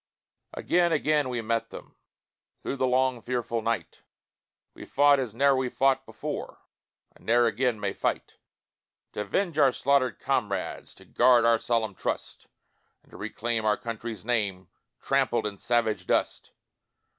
Again, again, we met them Through the long fearful night; We fought as ne'er we fought before And ne'er again may fight, To 'venge our slaughtered comrades, To guard our solemn trust, And to reclaim our country's name Trampled in savage dust.